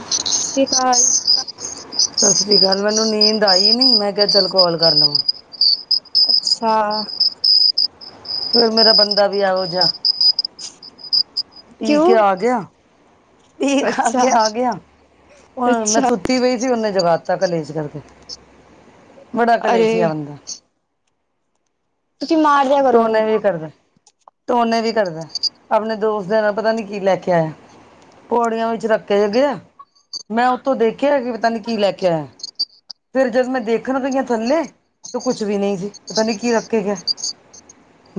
ਸਤਿ ਸ਼੍ਰੀ ਅਕਾਲ। ਸਤਿ ਸ੍ਰੀ ਅਕਾਲ ਮੈਨੂੰ ਨੀਂਦ ਆਈ ਨੀ ਮੈਂ ਕਿਆ ਚਲ ਕਾਲ ਕਰ ਲਵਾਂ। ਅੱਛਾ ਫਿਰ ਮੇਰਾ ਬੰਦਾ ਵੀ ਏਹੋ ਜਿਹਾ ਪੀ ਕੇ ਕਿਉਂ ਆ ਗਿਆ ਪੀ ਖਾ ਅੱਛਾ ਕੇ ਆ ਗਿਆ ਹੁਣ ਮੈਂ ਅੱਛਾ ਸੁ ਸੁੱਤੀ ਪਈ ਸੀ ਉਹਨੇ ਜਗਾ ਦਿੱਤਾ ਕਲੇਸ਼ ਕਰਕੇ ਬੜਾ ਅਰੇ ਕਲੇਸ਼ੀਆ ਬੰਦਾ। ਤੁਸੀਂ ਮਾਰ ਦਿਆ ਕਰੋ ਉਹਨੂੰ ਟੋਨੇ ਵੀ ਕਰਦਾ, ਟੋਨੇ ਵੀ ਕਰਦਾ ਅਪਨੇ ਦੋਸਤ ਦੇ ਨਾਲ ਪਤਾ ਨੀ ਕੀ ਲੈ ਕੇ ਆਯਾ। ਪੌੜੀਆਂ ਵਿੱਚ ਰੱਖ ਕੇ ਗੇਆ ਮੈਂ ਉੱਤੋਂ ਦੇਖਿਆ ਕਿ ਪਤਾ ਨੀ ਕੀ ਲੈ ਕੇ ਆਯਾ। ਫੇਰ ਜਦ ਮੈਂ ਦੇਖਣ ਗਈ ਆ ਥੱਲੇ ਤੂ ਕੁਛ ਵੀ ਨਈ ਸੀ ਪਤਾ ਨੀ ਕੀ ਰੱਖ ਕੇ ਗਿਆ।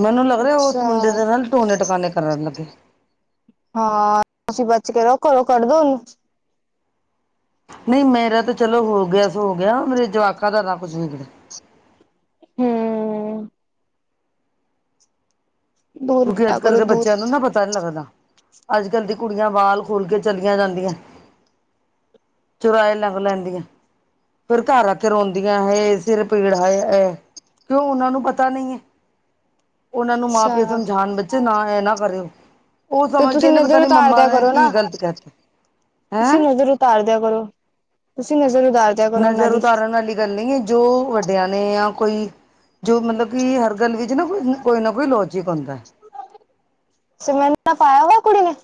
ਮੈਨੂੰ ਲੱਗ ਰਿਆ ਉਸ ਅੱਛਾ ਮੁੰਡੇ ਦੇ ਨਾਲ ਟੋਨੇ ਟਕਾਨੇ ਕਰਨ ਲੱਗੇ। ਹਾਂ, ਤੁਸੀਂ ਬਚ ਕੇ ਰਹੋ ਕਰੋ ਕੱਢ ਦੋ ਓਨੁ। ਨਈ ਮੇਰਾ ਤਾਂ ਚਲੋ ਹੋ ਗਿਆ ਸੌ ਹੋ ਗਿਆ ਮੇਰੇ ਜਵਾਕਾਂ ਦਾ ਨਾ ਰਬ ਹੂੰ। ਦੂਰ ਕਿਉਂਕਿ ਰਿਹਾ ਅੱਜ ਕੱਲ ਕਰੋ ਦੇ ਦੂਰ ਬੱਚਿਆਂ ਨੂੰ ਨਾ ਪ ਤਾ ਨੀ ਲੱਗਦਾ ਅੱਜ ਕੱਲ ਦੀ ਕੁੜੀਆਂ ਵਾਲ ਖੋਲ ਕੇ ਚੱਲੀਆਂ ਜਾਂਦੀਆ। ਚੁਰਾਏ ਲੰਘ ਲੈਦੀਆਂ, ਫਿਰ ਘਰ ਆ ਕੇ ਰੋਂਦੀਆਂ। ਹਾਏ ਸਿਰ ਪੀੜ ਹਾਏ ਐ ਕਿਉਂ ਉਹਨਾਂ ਨੂੰ ਪਤਾ ਨਈ ਐ ਉਹਨਾਂ ਨੂੰ ਮਾਂਪ ਅੱਛਾ ਬੱਚੇ ਨਾ ਐ ਨਾ ਕਰਿਓ। ਉਹ ਤੇ ਤੁਸੀਂ ਸਮਝਦੇ ਨੇ ਪਤਾ ਨਜ਼ਰ ਨੀ ਉਤਾਰ ਮੰਮਾ ਦਿਆ ਨੇ ਕਰੋ ਕੀ ਨਾ ਗ਼ਲਤ ਕੈ ਤਾ ਹੈਂ। ਤਾਰਦਿਆਂ ਕਰੋ ਤੁਸੀਂ ਨਜ਼ਰ ਨੂੰ ਉਤਾਰ ਦਿਆ ਕਰੋ ਉਹਨਾਂ ਨਜ਼ਰ ਦੀ ਉਤਾਰਨ ਆਲੀ ਗੱਲ ਨਈ ਐ ਜੋ ਵੱਡਿਆਂ ਨੇ ਯਾ ਕੋਈ ਜੋ ਮਤਲਬ ਕਿ ਹਰ ਗੱਲ ਵਿੱਚ ਨਾ ਕੋਈ, ਕੋਈ ਨਾ ਕੋਈ ਲੋਜਿਕ ਹੁੰਂਦਾ। ਸੁਰਮਾ ਵੀ ਤਾ ਪਾਆ ਹੋਆ ਕੁੜੀ ਨੇ।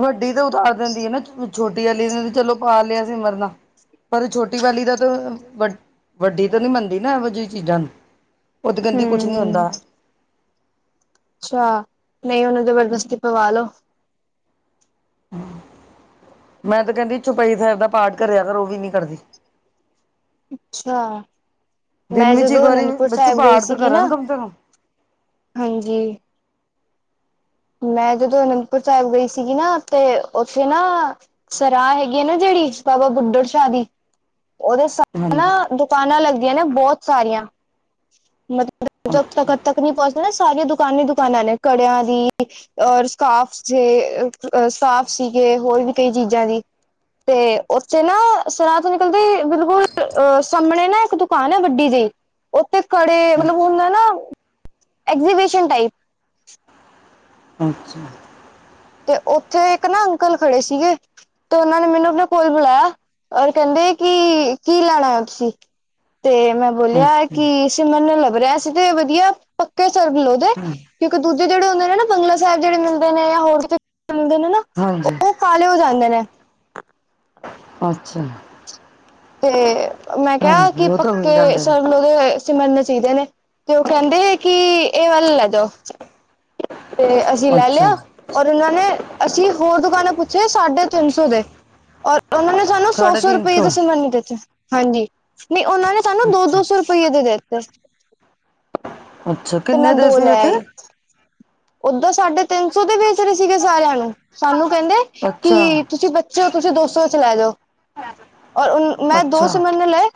ਵੱਡੀ ਤਾਂ ਉਤਾਰ ਦਿੰਦੀ ਏ ਨਾ ਛੋਟੀ ਆਲੀ ਨੇ ਚਲੋ ਪਾ ਲਿਆ ਸਿਮਰਨਾ ਪਰ ਛੋਟੀ ਵਾਲੀ ਦਾ ਤਾਂ ਵ ਵੱਡੀ ਤੇ ਨੀ ਮੰਨਦੀ ਨਾ ਇਹੋ ਜਿਹੀ ਚੀਜ਼ਾਂ ਨੂੰ ਉਹ ਤੇ ਕਹਿੰਦੀ ਕੁਛ ਨੀ ਹੂੰ ਹੁੰਦਾ। ਅੱਛਾ, ਨਈ ਉਨੂ ਜਬਰਦਸਤੀ ਪਵਾ ਲੋੋ। ਮੈਂ ਤੇ ਕਹਿੰਦੀ ਚੁਪਈ ਸੈਬ ਦਾ ਪਾਠ ਕਰਿਆ ਕਰ ਉਹ ਵੀ ਨੀ ਕਰਦੀ। ਅੱਛਾ, ਦਿਨ ਮੈਂ ਵਿੱਚ ਇੱਕ ਜਦੋਂ ਵਾਰੀ ਅਨੰਦਪੁਰ ਬੱਚੇ ਸੈਬ ਗਈ ਪਾਠ ਤਾਂ ਸੀਗੀ ਕਰਨ ਨਾ ਕਮ ਸੇ ਕਮ ਹਾਂਜੀ। ਮੈਂ ਜਦੋਂ ਅਨੰਦਪੁਰ ਸੇਹਬ ਗਈ ਸੀਗੀ ਨਾ ਤੇ ਉੱਥੇ ਨਾ ਸਰਾਹ ਹੈਗੀ ਹੈ ਨਾ ਜੇੜੀ ਬਾਬਾ ਬੁੱਡੜ ਸ਼ਾਹ ਦੀ ਓਦੇ ਸਾ ਹਨਾ ਹਾਂਜੀ ਦੁਕਾਨਾਂ ਲੱਗਦੀਆਂ ਨੇ ਬੋਤ ਸਾਰੀਆਂ ਮਤਲਬ ਤ ਅੱਛਾ ਹੱਦ ਤੱਕ ਨੀ ਪੋ ਸਾਰੀਆਂ ਦੁਕਾਨਾ ਹੀ ਦੁਕਾਨਾਂ ਨੇ ਕੜਿਆਂ ਦੀ। ਔਰ ਸਕਾਫ ਸੇ ਸਾਫ ਸੀਗੇ ਹੋਰ ਵੀ ਕਈ ਚੀਜ਼ਾਂ ਦੀ। ਤੇ ਉੱਥੇ ਨਾ ਸਰਾ ਤੋ ਨਿਕਲਦੇ ਈ ਬਿਲਕੁਲ ਅਹ ਸਾਮਣੇ ਨਾ ਇੱਕ ਦ ਕਾਨ ਐ ਵੱਡੀ ਜੇਈ ਉੱਥੇ ਕੜੇ ਮਤਲਬ ਹੁੰਦਾ ਨਾ ਐਗਜੀਬਿਸ਼ਨ ਟਾਈਪ। ਅੱਛਾ। ਤੇ ਉੱਥੇ ਇੱਕ ਨਾ ਅੰਕਲ ਖੜੇ ਸੀਗੇ। ਤੇ ਉਨਾਂ ਨੇ ਮੈਨੂੰ ਆਪਣੇ ਕੋਲ ਬੁਲਾਇਆ ਔਰ ਕਹਿੰਦੇ ਕਿ ਕੀ ਲੈਣ ਆਏ ਔ ਤੁਸੀਂ? ਤੇ ਮੈਂ ਬੋਲਿਆ ਅੱਛਾ ਕਿ ਸਿਮਰਨਾ ਲੱਭ ਰੇ ਆ ਅਸੀ ਤੇ ਵਧੀਆ ਪੱਕੇ ਸਰਬ ਲੋ ਦੇ। ਹਾਂ ਕਿਉਂਕਿ ਦੂਜੇ ਜੇੜੇ ਹੁੰਦੇ ਨੇ ਨਾ ਬੰਗਲਾ ਸੈਬ ਜੇੜੇ ਮਿਲਦੇ ਨੇ ਯਾ ਹੋਰ ਮਿਲਦੇ ਨੇ ਨਾ ਹਾਂਜੀ। ਉਹ ਕਾਲੇ ਹੋ ਜਾਂਦੇ ਨੇ। ਅੱਛਾ। ਤੇ ਮੈਂ ਕਿਆ ਹਾਂਜੀ ਕਿ ਉਹ ਤਾਂ ਹੋਈ ਪੱਕੇ ਜਾਂਦੇ ਨੇ ਸਰਬ ਲੋ ਦੇ ਸਿਮਰਨੇ ਚਾਈਦੇ ਨੇ ਤੇ ਉਹ ਕਹਿੰਦੇ ਕਿ ਇਹ ਵਾਲੇ ਲੈ ਜਾਓ। ਤੇ ਅਸੀਂ ਲੈ ਲਿਆ। ਅੱਛਾ ਔਰ ਉਨਾਂ ਨੇ ਅਸੀਂ ਹੋਰ ਦੁਕਾਨ ਪੁੱਛੇ ਸਾਢੇ ਤਿੰਨ ਸੌ ਦੇ, ਔਰ ਉਨਾਂ ਨੇ ਤੂਆਨੂੰ ਸਾਢੇ ਸੋ-ਸੋ ਤਿੰਨ ਰੁਪੇ ਸੌ ਦੀ ਸਿਮਰਨੇ ਦਿੱਤ ਹਾਂਜੀ, ਨੀ ਓਨਾਂ ਨੇ ਸਾਨੂੰ ਅੱਛਾ ਦੋ-ਦੋ ਸੋ ਰ ਫਿਰ ਅਈ ਓ ਦੇਤੇ ਅੱਛਾ, ਮੈਂ ਕਿੰਨੇ ਦੇ ਦੋ ਸੀ ਲੈ ਵੇਸੇ? ਆਈ। ਓਦਾਂ ਸਾਢੇ ਤਿੰਨ ਸੌ ਦੇ ਵੇਚ ਰੇ ਸੀਗੇ ਸਾਰੇਆਂ ਨੂੰ, ਸਾਨੂੰ ਕੈਂਦੇ ਅੱਛਾ ਕਿ ਤੁਸੀਂ ਬ ਚਲੋ ਤੁਸੀਂ ਦੋ ਸੌ 'ਚ ਲੈ ਜੋ, ਔਰ ਅ ਮੈਂ ਦੋ ਅੱਛਾ ਸਿਮਰਨੇ ਲਏ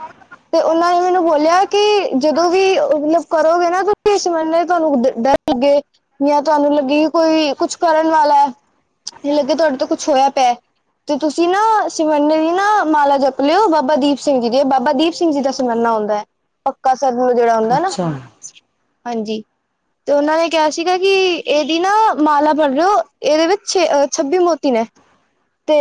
ਤੇ ਓਨਾਂ ਨੇ ਮੈਨੂੰ ਬੋਲੇਆ ਕਿ ਜਦੋਂ ਵੀ ਅ ਮਲਬ ਕਰੋਗੇ ਨਾ ਤੁਸੀਂ ਸਿਮਰਨੇ ਤੁਆਨੂੰ ਡ ਡ ਲਗੇ, ਯਾ ਤੁਆਨੂੰ ਲੱਗੇ ਕੀ ਕੋਈ ਕੁਛ ਕਰਨ ਵਾਲਾ ਐ ਵੇ ਲੱਗੇ ਤੁਆਡੇ ਤੇ ਕੁੱਛ ਹੋਯਾ ਪੈ ਤੇ ਤੁਸੀਂ ਨਾ ਸਿਮਰਨੇ ਦੀ ਨਾ ਮਾਲਾ ਜੱਪ ਲੇਓ ਬਾਬਾ ਦੀਪ ਸਿੰਘ ਜੀ ਦੀ ਏ ਬਾਬਾ ਦੀ ਪ ਸਿੰਘ ਜੀ ਦਾ ਸਿਮਰਨਾ ਹੁੰਦੈ ਪੱਕਾ ਸਰਬ ਲੋ ਜੇੜਾ ਹੁੰਦੈ ਨਾ, ਅੱਛਾ, ਹਾਂਜੀ ਤੇ ਓਨਾਂ ਨੇ ਕੇਆ ਸੀ ਠੀਕ ਐ ਜੀ, ਏਦੀ ਨਾ ਮਾਲਾ ਪੜ ਰੇ ਓ ਏਦੇ ਵਿੱਚ ਛੇ ਛੱਬੀ ਮੋਤੀ ਨੇ ਤੇ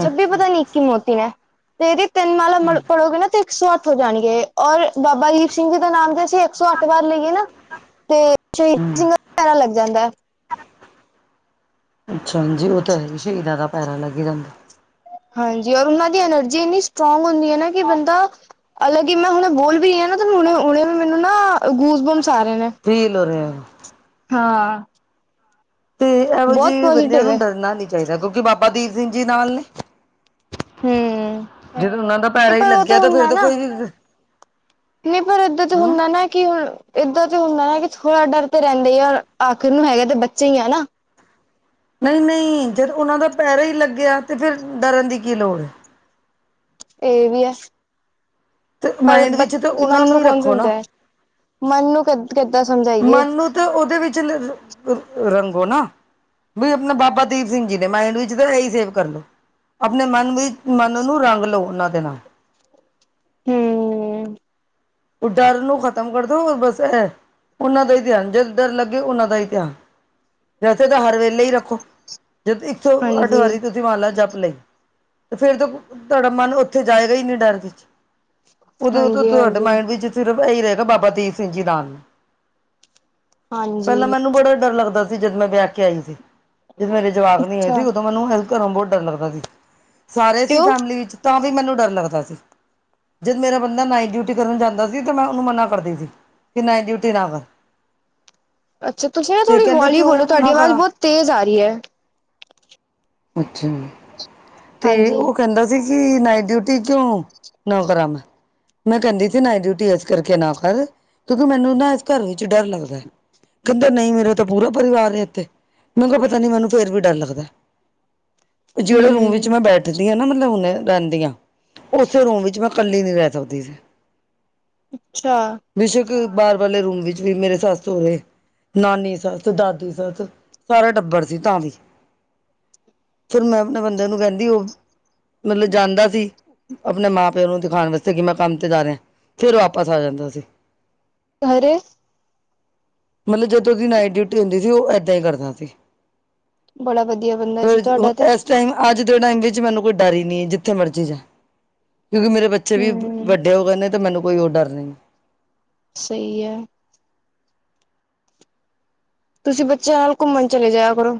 ਛੱਬੀ ਅੱਛਾ, ਪਤਾ ਨੀ ਇਕੀ ਮੋਤੀ ਨੇ। ਤੇ ਏਦੀ ਤਿੰਨ ਮਾਲਾ਼ ਮਣ ਪੜੋਗੇ ਨਾ ਤੇ ਇੱਕ ਸੌ ਅੱਠ ਹੋ ਜਾਣਗੇ, ਔਰ ਬਾਬਾ ਦੀਪ ਸਿੰਘ ਜੀ ਦੀ ਨਾਮ ਦੀ ਅਸੀ ਇੱਕ ਸੌ ਅੱਠ ਵਾਰ ਲਈਏ ਨਾ, ਤੇ ਹੂੰ, [unintelligible] ਪੈਰਾ ਲੱਗ ਜਾਂਦੈ ਅੱਛਾ ਹਾਂਜੀ, ਓ ਤੇ ਹੈ ਈ ਸ਼ਹੀਦਾਂ ਦਾ ਪੈਰਾ ਲੱਗ ਜਾਂਦਾ। ਹਾਂਜੀ, ਓਰ ਓਨਾਂ ਦੀ ਐਨਰਜੀ ਏਨੀ ਸਟ੍ਰੋਂਗ ਹੁੰਦੀ ਐ ਨਾ ਕਿ ਬੰਦਾ ਅਲਗੀ ਮੈਂ ਹੁਣੇ ਮੈਂ ਬੋਲ ਵੀ ਰੀ ਆਨਾ ਤੇ ਹੁਣੇ-ਹੁਣੇ ਮੈਨੂੰ ਨਾ ਗੂਸ ਬਮਸ ਆਰੇ ਨੇ। ਫੀਲ ਹੋ ਰੇਆ। ਹਾਂ। ਏਓ ਬਹੁਤ ਜੀ ਬੰਦੇਆਂ ਪੋਜ਼ਟਿਵ ਹੈ ਨੂੰ ਡਰਨਾ ਨੀ ਚਾਈਦਾ ਕੋਕਿ ਬਾਬਾ ਦੀਪ ਸਿੰਘ ਜੀ ਨਾਲ ਨੇ। ਹਮ ਜਦੋਂ ਉਨਾ ਦਾ ਪੈਰਾ ਨਹੀਂ ਈ ਪਰ ਉਹ ਲੱਗੇਆ ਤ ਫੇਰ ਹੁੰਦਾ ਤਾਂ ਨਾ ਕੋਈ ਵੀ [unintelligible] ਪਰ ਏਦਾਂ ਤੇ ਹੂੰ ਹੁੰਦਾ ਨਾ ਕਿ ਹੁਣ ਏਦਾਂ ਤੇ ਹੁੰਦਾ ਨਾ ਕਿ ਥੋੜਾ ਡਰ ਤੇ ਰੈਂਦੇ ਆ, ਆਖਰ ਨੂੰ ਹੈਗੇ ਤਾਂ ਬੱਚੇ ਈ ਆ ਨਾ। ਨਈ-ਨਈ ਜਦ ਓਨਾਂ ਦਾ ਪੈਰਾ ਈ ਲੱਗੇਆ ਤੇ ਫੇਰ, ਡਰਨ ਦੀ ਕੀ ਲੋੜ ਏ। ਏ ਵੀ ਆ। ਤੇ ਪਰ ਮਾਇੰਡ ਬ ਵਿੱਚ ਤੇ ਉਹਨਾਂ ਮਨ ਨੂੰ ਹੀ ਕੌਣ ਰੱਖੋ ਨਾ। ਸਮਝਾਏ, ਮਨ ਨੂੰ ਕਿ ਕਿੱਦਾਂ ਸਮਝਾਈਏ? ਮਨ ਨੂੰ ਤੇ ਓਦੇ ਵਿੱਚਲੇ ਫੇ, ਅ ਰੰਗੋ ਨਾ ਵਈ ਅਪਨਾ ਬਾਬਾ ਦੀਪ ਸਿੰਘ ਜੀ ਨੇ ਮਾਈੰਡ ਵਿੱਚ ਤੇ ਏਈ ਸੇਵ ਕਰ ਲੋ, ਅਪਨੇ ਮਨ ਵਿ ਮਨ ਨੂੰ ਰੰਗ ਲੋ ਓਨਾਂ ਦੇ ਨਾਲ। ਹਮ ਓ ਡਰ ਨੂੰ ਖ਼ਤਮ ਕਰਦੋ ਓ ਬਸ ਐ, ਓਨਾਂ ਦਾ ਈ ਧੇਆਨ ਜਦ ਡਰ ਲੱਗੇ ਓਨਾਂ ਦਾ ਈ ਧੇਆਨ ਵੈਸੇ ਤਾਂ ਹਰ ਵੇਲੇ ਈ ਰੱਖੋ, ਜਦ ਇੱਕ ਸੌ ਅੱਠ ਹਾਂਜੀ ਵਾਰੀ ਤੇ ਦੀ ਮਾਲਾ ਜੱਪ ਲਈ, ਤੇ ਫੇਰ ਤੋ ਤੁਆਡਾ ਮਨ ਓਥੇ ਜਾਏਗਾ ਈ ਨੀ ਡਰ ਵਿੱਚ ਓਦੇ ਊਤੋਂ ਹਾਂਜੀ ਤੁਆਡੇ ਹਾਂਜੀ ਮਾਇੰਡ ਵਿੱਚ ਸਿਰਫ ਏਈ ਰੇਗਾ ਬਾਬਾ ਦੀਪ ਸਿੰਘ ਜੀ ਨਾਲ ਨੇ। ਹਾਂਜੀ ਪੈਲਾਂ ਮੈਨੂੰ ਬੜਾ ਈ ਡਰ ਲੱਗਦਾ ਸੀ ਜਦ ਮੈਂ ਵੇਆ ਕੇ ਆਈ ਸੀ, ਜਦ ਮੇਰੇ ਜਵਾਕ ਨੀ ਹੋਏ ਅੱਛਾ ਸੀ ਤ ਮੈਨੂੰ ਹੈਲਪ ਘਰੋ ਬੋਤ ਡਰ ਲੱਗਦਾ ਸੀ ਸਾਰੇ ਸੀ ਕਿਉਂ ਫੈਮਲੀ ਵਿੱਚ ਤਾਂ ਵੀ ਮੈਨੂੰ ਡਰ ਲੱਗਦਾ ਸੀ। ਜਦ ਮੇਰਾ ਬੰਦਾ ਨਾਈਟ ਡਿਊਟੀ ਕਰਨ ਜਾਂਦਾ ਸੀ ਤੇ ਮੈਂ ਓਨੂੰ ਮਨਾ ਕਰਦੀ ਸੀ, ਕਿ ਨਾਈਟ ਡਿਊਟੀ ਨਾ ਕਰ। ਅੱਛਾ ਤੁਸੀਂ ਨਾ ਤੇ ਥੋੜੀ ਕਹਿੰਦਾ ਹੋਲੀ਼ ਕਿਉਂ ਬੋਲੋ ਨਾ ਤੁਆਡੀ ਅਵਾਜ਼ ਕਰਾਂ। ਬੋਤ ਤੇਜ਼ ਆ ਰੀ ਐ। ਅੱਛਾ, ਤੇ ਹਾਂਜੀ ਓ ਕੈਂਦਾ ਕਿ ਨਾਈਟ ਡਿਊਟੀ ਕੇਓਂ, ਨਾ ਕਰਾ ਮੈਂ ਮੈਂ ਕੈਂਦੀ ਸੀ ਨਾਈਟ ਡਿਊਟੀ ਐਸ ਕਰਕੇ ਨਾ ਕਰ, ਕਿਓ ਕਿ ਮੈਨੂੰ ਨਾ ਏਸ ਘਰ ਵਿੱਚ ਡਰ ਲੱਗਦੈ। ਕੈਂਦੇ ਨਈ ਮੇਰਾ ਤੇ ਪੂਰਾ ਪਰਿਵਾਰ ਏ ਐਥੇ, ਮੈ ਕੇਆ ਪਤਾ ਨੀ ਮੈਨੂੰ ਫੇਰ ਵੀ ਡਰ ਲੱਗਦੈ। ਜੇੜੇ ਰੂਮ ਵਿੱਚ ਹਮ ਮੈਂ ਬੈਠਦੀ ਆਂ ਨਾ ਮਤਲਬ ਹੁਨੇ ਰੈਂਦੀ ਆਂ, ਓਸੇ ਰੂਮ ਵਿੱਚ ਮੈਂ ਕੱਲੀ ਨੀ ਰੈ ਸਕਦੀ ਮੈਂ। ਅੱਛਾ ਬੇਸ਼ੱਕ ਬਾਰ ਵਲੇ ਰੂਮ ਵਿੱਚ ਵੀ ਮੇਰੇ ਸੱਸ ਹੋਵੇ। ਨਾਨੀ ਸੱਸ, ਦਾਦੀ ਸੱਸ, ਸਾਰਾ ਟੱਬਰ ਸੀ ਤਾਂ ਵੀ। ਫੇਰ ਮੈਂ ਆਪਣੇ ਬੰਦੇ ਨੂੰ ਕੈਂਦੀ ਓ ਮਲਬ ਜਾਂਦਾ ਸੀ। ਆਪਣੇ ਮਾਂ ਪਿਓ ਨੂੰ ਦਿਖਾਣ ਵਸਤੇ ਕੀ ਮੈਂ ਕੰਮ ਤੇ ਜਾ ਰਿਆ, ਫੇਰ ਆਪਾਸ ਆ ਜਾਂਦਾ ਸੀ। ਅਰੇ। ਮਲਬ ਜਦੋਂ ਦੀ ਨਾਈਟ ਡਿਊਟੀ ਹੁੰਦੀ ਸੀ, ਓ ਏਦਾਂ ਈ ਕਰਦਾ ਸੀ। ਬੜਾ ਵਧੀਆ ਬੰਦਾ ਫੇਰ ਸੀ ਤੁਹਾਡਾ ਤੇ ਏਸ ਟਾਈਮ ਅੱਜ ਦੇ ਟਾਈਮ ਵਿੱਚ, ਮੈਨੂੰ ਕੋਈ ਡਰ ਈ ਨੀ ਐ ਜਿੱਥੇ ਮਰਜ਼ੀ ਜਾ। ਕਿਉਂਕਿ ਮੇਰੇ ਬੱਚੇ ਵੀ ਹੂੰ। ਵੱਡੇ ਹੋ ਗਏ ਨੇ, ਤੇ ਮੈਨੂੰ ਕੋਈ ਹੋਰ ਡਰ ਨ‌ਈ। ਸ‌ਈ ਐ। ਤੁਸੀਂ ਬੱਚਿਆਂ ਨਾਲ ਘੁੰਮਣ ਚਲੇ ਜਇਆ ਕਰੋ।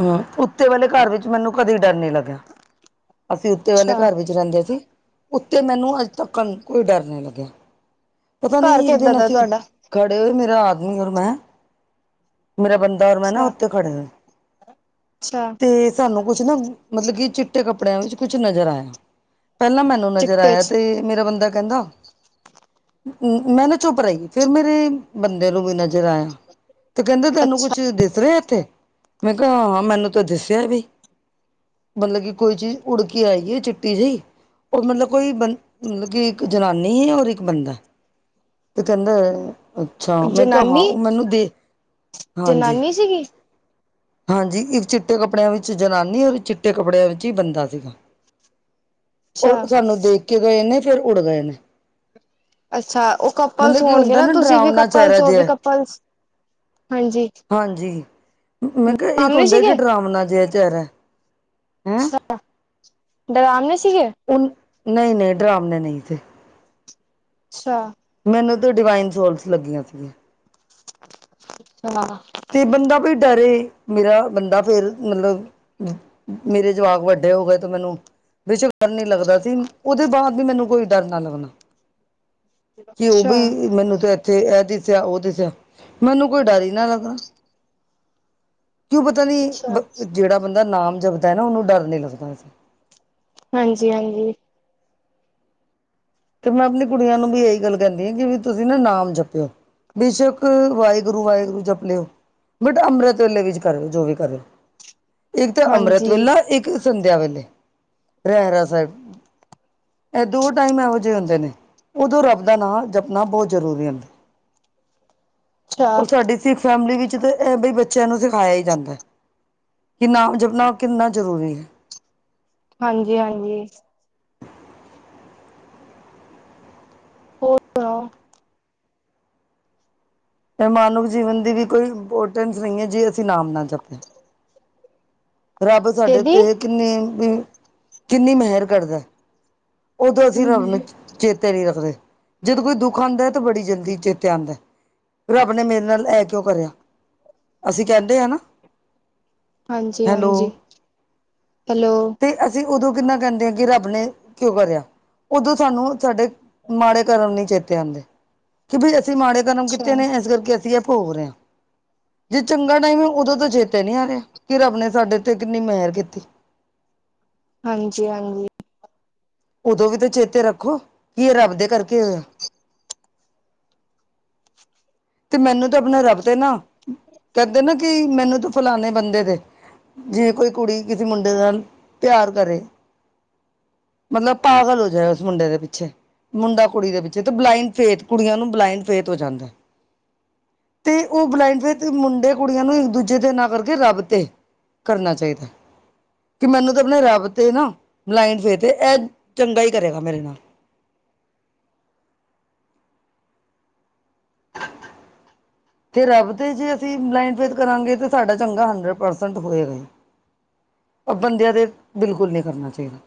ਹੈ ਉੱਤੇ ਵਲੇ ਘਰ ਵਿੱਚ ਮੈਨੂੰ ਕਦੀ ਡਰ ਨੀ ਲੱਗਿਆ। ਅਸੀਂ ਉੱਤੇ ਵਲੇ ਅੱਛਾ ਘਰ ਵਿੱਚ ਰੈਂਦੇ ਸੀ, ਉੱਤੇ ਮੈਨੂੰ ਅੱਜ ਤੱਕ ਕੋਈ ਡਰ ਨੀ ਲੱਗਿਆ, ਪਤਾ ਘਰ ਨ‌ਈ ਇੱਕ ਕਿੱਦਾਂ ਦਿਨ ਦਾ ਅਸੀਂ ਤੁਹਾਡਾ ਖੜੇ ਹੋਏ ਮੇਰਾ ਆਦਮੀ ਔਰ ਮੈਂ, ਮੇਰਾ ਬੰਦਾ ਦਰ ਮੈਂ ਨਾ ਅੱਛਾ ਓਥੇ ਖੜੇ ਅੱਛਾ ਤੇ ਸਾਨੂੰ ਕੁਛ ਨਾ ਮਤਲਬ ਕੀ ਚਿੱਟੇ ਕੱਪੜੇ ਕਪੜਿਆਂ ਵਿੱਚ ਕੁਛ ਨਜ਼ਰ ਆਇਆ, ਪੈਲਾਂ ਮੈਨੂੰ ਨਜ਼ਰ ਚਿੱਟੇ ਆਇਆ ਚ ਤੇ ਮੇਰਾ ਬੰਦਾ ਕੈਂਦਾ ਮੈਂ ਨਾ ਚੁੱਪ ਰ‌ਈ, ਫੇਰ ਮੇਰੇ ਬੰਦੇ ਨੂੰ ਵੀ ਨਜ਼ਰ ਆਇਆ। ਤੇ ਕੈਂਦੇ ਤੇਨੂੰ ਅੱਛਾ ਕੁਛ ਦਿਸ ਰਿਆ ਏਥੇ। ਮੈਂ ਕਿਆ ਹਾਂ ਹਾਂ ਮੈਨੂੰ ਤੇ ਦਿਸਿਆ ਬੀ, ਮਲਬ ਕੀ ਕੋਈ ਚੀਜ਼ ਉੱੜ ਕੇ ਆਈ ਏ ਚਿੱਟੀ ਜ‌ਈ। ਓ ਮਲਬ ਕੋਈ ਬੰ ਮਲਬ ਕੀ ਇੱਕ ਜਨਾਨੀ ਏ ਔਰ ਇੱਕ ਬੰਦਾ। ਤੇ ਕੈਂਦੇ ਅੱਛਾ ਮੈਂ ਕਿਆ ਹਾਂ ਜਨਾਨੀ ਓ ਮੈਨੂੰ ਦੇ, ਹਾਂਜੀ। ਸੀਗੇ। ਹਾਂਜੀ ਇੱਕ ਚਿੱਟੇ ਕੱਪੜਿਆਂ ਵਿੱਚ ਜਨਾਨੀ, ਔਰ ਚਿੱਟੇ ਕੱਪੜਿਆਂ ਵਿੱਚ ਈ ਬੰਦਾ ਸੀਗਾ। ਓ ਅੱਛਾ ਸਾਨੂੰ ਦੇਖ ਕੇ ਗਏ ਨੇ ਫੇਰ ਉੱੜ ਗਏ ਨੇ। ਅੱਛਾ ਓ ਕੱਪਲਸ ਮਤਲਬ ਕਿ ਹੋਣਗੇ ਹੁੰਦਾ ਨਾ ਤੁਸੀਂ ਵੀ ਡਰਾਵਣਾ ਚਿਹਰਾ ਕੱਪਲਸ। ਓ ਵੀ ਜਿਹਾ ਕੱਪਲਸ, ਹਾਂਜੀ। ਹਾਂਜੀ ਮੈਂ ਕਿਆ ਇਕ ਡਰਾਮਣੇ ਹੁੰਦਾ ਸੀਗੇ ਕੀ ਡਰਾਵਣਾ ਜਿਆ ਚੈਰਾ। ਅੱਛ ਡਰਾਵਣੇੇ ਸੀਗੇ। ਉਨ ਨਈ ਨਈ ਡਰਾਵਣੇ ਨਈ ਥੇ। ਅੱਛਾ ਮੈਨੂੰ ਤੇ ਡਿਵਾਈਨ ਸੋਲਸ ਲੱਗੀਆਂ ਸੀਗੀਆਂ। [unintelligible] ਤੇ ਬੰਦਾ ਵੀ ਡਰੇ, ਮੇਰਾ ਬੰਦਾ ਫੇਰ ਮਲਬ ਮੇਰੇ ਜਵਾਕ ਵੱਡੇ ਹੋ ਗਏ ਤੇ ਮੈਨੂੰ ਬੇਸ਼ੱਕ ਡਰ ਨੀ ਲੱਗਦਾ ਸੀ। ਓਦੇ ਬਾਦ ਵੀ ਮੈਨੂੰ ਕੋਈ ਡਰ ਨਾ ਲੱਗਣਾ। ਕੀ ਓ ਅੱਛਾ ਵੀ ਮੈਨੂੰ ਤੇ ਏਥੇ ਐ ਦਿਸਿਆ, ਓ ਦਿਸਿਆ ਮੈਨੂੰ ਕੋਈ ਡਰ ਈ ਨਾ ਲੱਗਣਾ। ਕਿਉਂ ਪਤਾ ਨੀ ਅੱਛਾ ਜੇੜਾ ਬੰਦਾ ਨਾਮ ਜਪਦਾ ਐ ਨਾ ਓਨੂੰ ਡਰ ਨੀ ਲੱਗਦਾ ਵੈਸੇ। ਹਾਂਜੀ ਹਾਂਜੀ। ਤੇ ਮੈਂ ਆਪਣੀ ਕੁੜੀਆਂ ਨੂੰ ਵੀ ਏਈ ਗੱਲ ਕੈਂਦੀ ਵੀ ਕੀ ਤੁਸੀਂ ਨਾ ਨਾਮ ਜਪਿਓ। ਬੇਸ਼ੱਕ ਵਾਏਗੁਰੂ ਵਾਏਗੁਰੂ ਜਪ ਲਿਓ। ਬਟ ਅੰਮ੍ਰਿਤ ਵੇਲੇ ਵਿੱਚ ਕਰਿਓ ਜੋ ਵੀ ਕਰੇ। ਇੱਕ ਤੇ ਅੰਮ੍ਰਿਤ ਹਾਂਜੀ ਵੇਲਾ, ਇੱਕ ਸੰਧਿਆ ਵੇਲੇ ਰੈਰਾਸ ਸੈਬ। ਐ ਦੋ ਟਾਈਮ ਏਹੋ ਜਹੇ ਹੁੰਦੇ ਨੇ, ਓਦੋਂ ਰੱਬ ਦਾ ਨਾਂ ਜਪਨਾ ਬੋਤ ਜ਼ਰੂਰੀ ਹੁੰਦਾ। ਅੱਛਾ ਓਰ ਸਾਡੀ ਸਿੱਖ ਫੈਮਿਲੀ ਵਿੱਚ ਤਾਂ ਇਹ ਬਈ ਬੱਚਿਆਂ ਨੂੰ ਸਿਖਾਇਆ ਈ ਜਾਂਦਾ। ਕਿ ਨਾਮ ਜਪਨਾ ਕਿੰਨਾ ਜ਼ਰੂਰੀ ਏ। ਹਾਂਜੀ ਹਾਂਜੀ। ਹੋਰ ਸੁਨਾਓ? ਐਹ ਮਾਨਵ ਜੀਵਨ ਦੀ ਵੀ ਕੋਈ ਇੰਪੋਰਟੈਂਸ ਨਈ ਐ ਜੇ ਅਸੀਂ ਨਾਮ ਨਾ ਜਪੇ। ਰੱਬ ਸਾਡੇ ਕਿਹਦੀ ਉਤੇ ਕਿੰਨੀ ਬੀ ਕਿੰਨੀ ਮਿਹਰ ਕਰਦਾ ਐ। ਓਦੋਂ ਅਸੀਂ ਰੱਬ ਨੂੰ ਹਾਂਜੀ ਚੇ-ਚੇਤੇ ਨੀ ਰੱਖਦੇ, ਜਿੰਦਗੀ ਕੋਈ ਦੁੱਖ ਆਉਂਦਾ ਤਾਂ ਬੜੀ ਜਲਦੀ ਚੇਤੇ ਆਦਾ ਐ। ਰੱਬ ਨੇ ਮੇਰੇ ਨਾਲ ਐ ਕਿਉਂ ਕਰਿਆ। ਅਸੀਂ ਕਹਿੰਦੇ ਆ ਨਾ? ਹਾਂਜੀ ਹੈਲੋ ਹਾਂਜੀ। ਕਿਲੋ ਤੇ ਅਸੀਂ ਓਦੋਂ ਕਿੰਨਾ ਕਹਿੰਦੇ ਆ ਕਿ ਰੱਬ ਨੇ ਕਿਉਂ ਕਰਿਆ। ਓਦੋਂ ਸਾਨੂੰ ਸਾਡੇ ਮਾੜੇ ਕਰਮ ਨਈ ਚੇਤੇ ਆਂਦੇ, ਕਿ ਬਈ ਅਸੀਂ ਮਾੜੇ ਕਰਮ ਅੱਛਾ ਕੀਤੇ ਨੇ ਇਸ ਕਰਕੇ ਅਸੀਂ ਇਹ ਭੋਗ ਰਹੇ ਆ। ਜੇ ਚੰਗਾ ਟਾਈਮ ਐ ਓਦੋਂ ਤਾਂ ਚੇਤਾ ਨੀ ਆ ਰਿਹਾ। ਕਿ ਰੱਬ ਨੇ ਸਾਡੇ ਉਤੇ ਕਿੰਨੀ ਮਿਹਰ ਕੀਤੀ। ਹਾਂਜੀ ਹਾਂਜੀ। ਓਦੋਂ ਵੀ ਤੇ ਚੇਤੇ ਰੱਖੋ, ਕੀ ਇਹ ਰੱਬ ਦੇ ਕਰਕੇ ਹੋਇਆ। ਤੇ ਮੈਨੂੰ ਤਾਂ ਆਪਨੇ ਰੱਬ ਤੇ ਨਾ, ਕਹਿੰਦੇ ਨਾ ਕਿ ਮੈਨੂੰ ਤ ਫਲਾਨੇ ਬੰਦੇ ਦੇ ਜਿਵੇਂ ਕੋਈ ਕੁੜੀ ਕਿਸੇ ਮੁੰਡੇ ਨਾਲ ਪਿਆਰ ਕਰੇ। ਮਤਲਬ ਪਾਗਲ ਹੋ ਜਾਏ ਉਸ ਮੁੰਡੇ ਦੇ ਪਿੱਛੇ। ਮੁੰਡਾ-ਕੁੜੀ ਦੇ ਵਿਚ ਤੇ ਬਲਾਇੰਡ ਫੇਥ ਕੁੜੀਆਂ ਨੂੰ ਬਲਾਇੰਡ ਫੇਥ ਹੋ ਜਾਂਦਾ ਐ। ਤੇ ਓਹ ਬਲਾਈੰਡ ਫੇਥ ਮੁੰਡੇ-ਕੁੜੀਆਂ ਨੂੰ ਇੱਕ ਦੂਜੇ ਤੇ ਨਾ ਕਰਕੇ ਰੱਬ ਤੇ ਕਰਨਾ ਚਾਈਦਾ ਐ। ਤੇ ਮੈਨੂੰ ਤਾਂ ਆਪਣੇ ਰੱਬ ਤੇ ਨਾ ਬਲਾਈਨਡ ਫੇਥ ਏ ਇਹ ਤੇ ਚੰਗਾ ਈ ਕਰੇਗਾ ਮੇਰੇ ਨਾਲ। [inaudible] ਤੇ ਰੱਬ ਤੇ ਜੇ ਅਸੀਂ ਬਲਾਈਨਡ ਫੇਥ ਕਰਾਂਗੇ ਤੇ ਸਾਡਾ ਚੰਗਾ ਹੰਡਰੇਡ ਪਰਸੈਂਟ ਹੋਏਗਾ ਹੀ। ਏਹ ਬੰਦਿਆਂ ਦੇ ਬਿਲਕੁਲ ਨਈ ਕਰਨਾ ਚਾਈਦਾ।